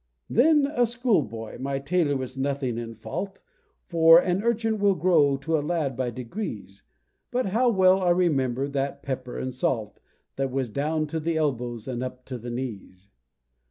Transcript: Then a school boy my tailor was nothing in fault, For an urchin will grow to a lad by degrees, But how well I remember that "pepper and salt" That was down to the elbows, and up to the knees!